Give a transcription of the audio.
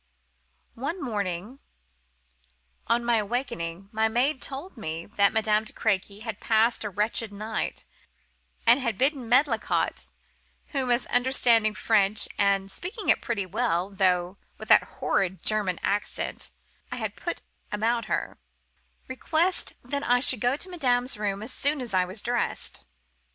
"One morning, on my awakening, my maid told me that Madame de Crequy had passed a wretched night, and had bidden Medlicott (whom, as understanding French, and speaking it pretty well, though with that horrid German accent, I had put about her) request that I would go to madame's room as soon as I was dressed.